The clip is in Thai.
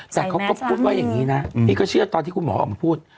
แต่เขาก็พูดว่าอย่างนี้นะพี่ก็เชื่อตอนที่คุณหมอออกมาพูด